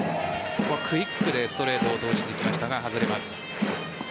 ここはクイックでストレートを投じてきましたが外れます。